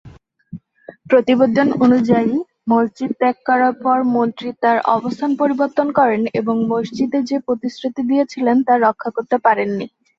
প্রতিবেদন অনুযায়ী, মসজিদ ত্যাগ করার পর মন্ত্রী তার অবস্থান পরিবর্তন করেন এবং মসজিদে যে প্রতিশ্রুতি দিয়েছিলেন তা রক্ষা করতে পারেননি।